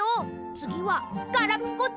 つぎはガラピコと。